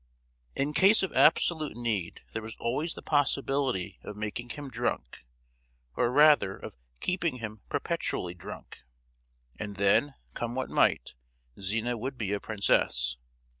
In case of absolute need there was always the possibility of making him drunk, or rather of keeping him perpetually drunk. And then, come what might, Zina would be a princess!